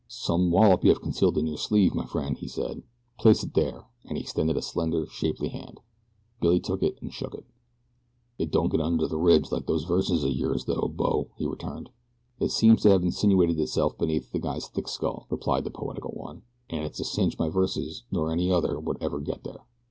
"Some wallop you have concealed in your sleeve, my friend," he said; "place it there!" and he extended a slender, shapely hand. Billy took it and shook it. "It don't get under the ribs like those verses of yours, though, bo," he returned. "It seems to have insinuated itself beneath this guy's thick skull," replied the poetical one, "and it's a cinch my verses, nor any other would ever get there."